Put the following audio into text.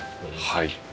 はい。